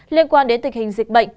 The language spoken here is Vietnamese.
liên quan đến tình hình dịch bệnh